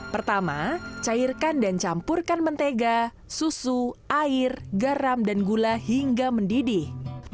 pertama cairkan dan campurkan mentega susu air garam dan gula hingga mendidih